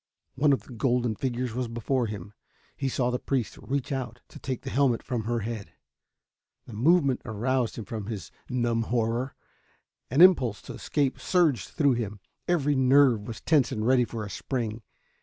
One of the golden figures was before him. He saw the priest reach out to take the helmet from her head. The movement aroused him from his numb horror. An impulse to escape surged through him; every nerve was tense and ready for a spring.